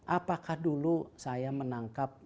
apakah dulu saya menangkap